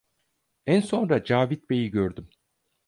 En sonra Cavit Bey'i gördüm.